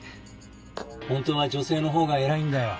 本当は女性の方が偉いんだよ。